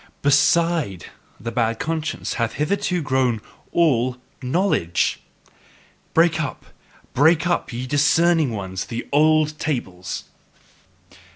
BESIDE the bad conscience hath hitherto grown all KNOWLEDGE! Break up, break up, ye discerning ones, the old tables!